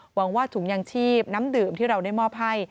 หวังว่าถุงยางชีพน้ำดื่มที่เราได้มอบให้